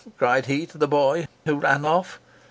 cried he to the boy, who ran off.